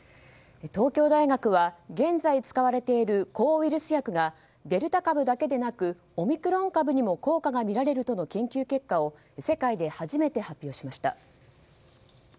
東京大学は現在使われている抗ウイルス薬がデルタ株だけでなくオミクロン株にも効果が見られるとの研究結果を世界で初めて発表しました。